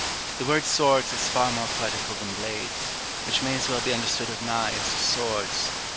The word swords is far more poetical than blades, which may as well be understood of knives as swords.